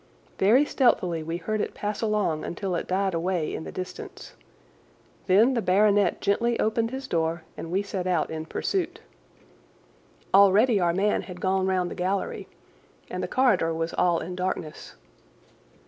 Very stealthily we heard it pass along until it died away in the distance. Then the baronet gently opened his door and we set out in pursuit. Already our man had gone round the gallery and the corridor was all in darkness.